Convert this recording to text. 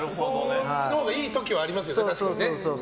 そのほうがいい時はありますよね。